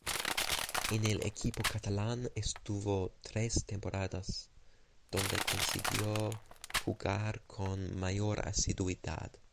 En el equipo catalán estuvo tres temporadas, donde consiguió jugar con mayor asiduidad.